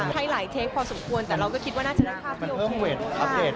ให้หลายเทคพอสมควรแต่เราก็คิดว่าน่าจะได้ภาพที่โอเค